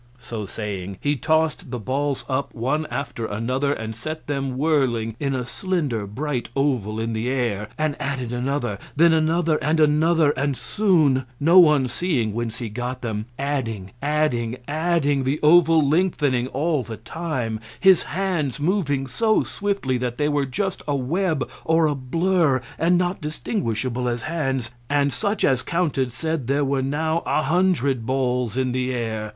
So saying, he tossed the balls up one after another and set them whirling in a slender bright oval in the air, and added another, then another and another, and soon no one seeing whence he got them adding, adding, adding, the oval lengthening all the time, his hands moving so swiftly that they were just a web or a blur and not distinguishable as hands; and such as counted said there were now a hundred balls in the air.